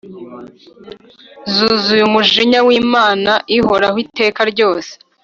zuzuye umujinya w’Imana ihoraho iteka ryose.